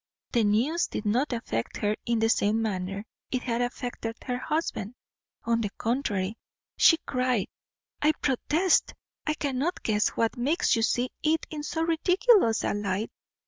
The news did not affect her in the same manner it had affected her husband. On the contrary, she cried, "I protest I cannot guess what makes you see it in so ridiculous a light.